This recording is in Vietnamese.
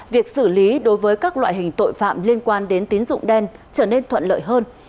việc xử lý đối với các loại hình tội phạm liên quan đến tín dụng đen trở nên thuận lợi hơn